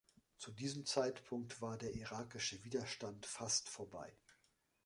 Zu diesem Zeitpunkt war der irakische Widerstand fast vorbei.